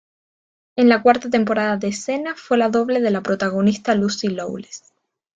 En la cuarta temporada de Xena fue la doble de la protagonista Lucy Lawless.